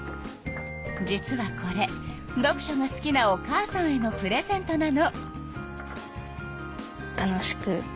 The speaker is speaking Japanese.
実はこれ読書が好きなお母さんへのプレゼントなの。